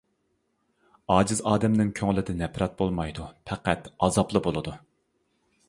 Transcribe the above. ئاجىز ئادەمنىڭ كۆڭلىدە نەپرەت بولمايدۇ، پەقەت ئازابلا بولىدۇ.